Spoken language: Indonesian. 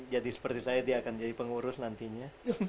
jadi seperti saya dia akan jadi pengurus nantinya